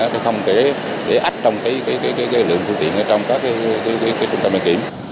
nó không để ách trong lượng phương tiện trong các trung tâm đăng kiểm